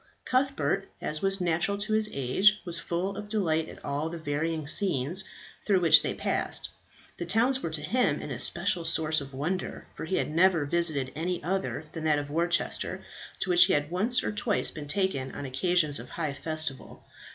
Cuthbert, as was natural to his age, was full of delight at all the varying scenes through which they passed. The towns were to him an especial source of wonder, for he had never visited any other than that of Worcester, to which he had once or twice been taken on occasions of high festival.